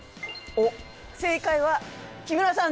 おっ正解は木村さん